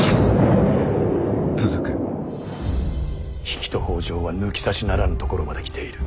比企と北条は抜き差しならぬところまで来ている。